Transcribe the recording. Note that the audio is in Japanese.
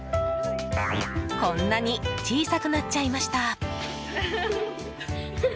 こんなに小さくなっちゃいました。